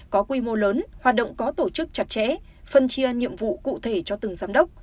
có quy mô lớn hoạt động có tổ chức chặt chẽ phân chia nhiệm vụ cụ thể cho từng giám đốc